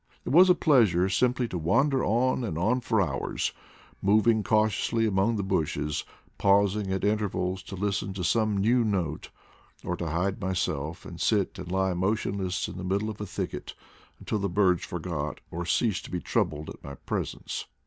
It was a pleasure sim ply to wander on and on for hours, moving cau 140 BIRD MUSIC IN SOUTH AMERICA 141 tiously among the bushes, pausing at intervals to listen to some new note; or to hide myself and sit or lie motionless in the middle of a thicket, until the birds forgot or ceased to be troubled at my presence.